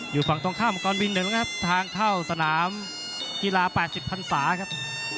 อยู่ฝั่งตรงข้ามกรบิน๑นะครับทางเข้าสนามกีฬา๘๐พันศาครับ